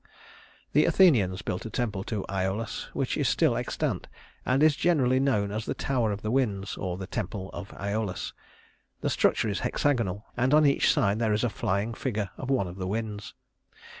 The Athenians built a temple to Æolus, which is still extant, and is generally known as the Tower of the Winds, or the Temple of Æolus. The structure is hexagonal, and on each side there is a flying figure of one of the winds.